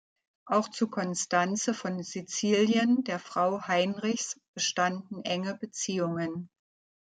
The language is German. Auch zu Konstanze von Sizilien, der Frau Heinrichs, bestanden enge Beziehungen.